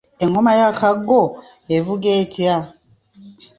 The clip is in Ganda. Engoma ya Kaggo evuga etya?